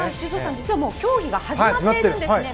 実は競技が始まっているんですね。